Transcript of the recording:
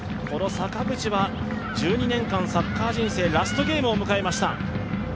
この坂口は１２年間、サッカー人生ラストゲームを迎えました。